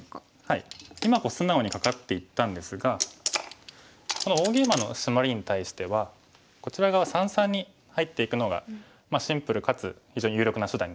今素直にカカっていったんですがこの大ゲイマのシマリに対してはこちら側三々に入っていくのがシンプルかつ非常に有力な手段になりますね。